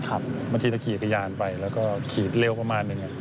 บางทีจะขี่กระยานไปแล้วก็ขี่เร็วประมาณนึง